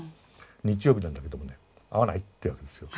日曜日なんだけどもね会わない？ってわけですよ。